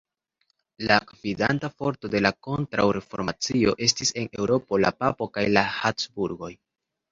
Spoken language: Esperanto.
La gvidanta forto de la kontraŭreformacio estis en Eŭropo la papo kaj la Habsburgoj.